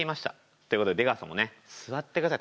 っていうことで出川さんもね座ってください。